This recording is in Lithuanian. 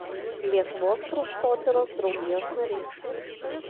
Lietuvos kraštotyros draugijos narys.